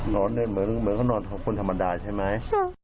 นอนเนี่ยเหมือนนอนคนธรรมดาใช่ไหมนอนเนี่ยเหมือนกับคนธรรมดาใช่ไหม